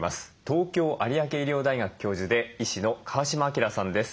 東京有明医療大学教授で医師の川嶋朗さんです。